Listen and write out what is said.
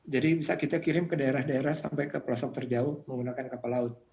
jadi bisa kita kirim ke daerah daerah sampai ke pelosok terjauh menggunakan kapal laut